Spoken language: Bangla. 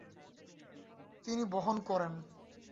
তিনি বহন করে।